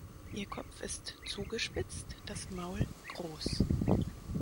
Ihr Kopf ist zugespitzt, das Maul groß.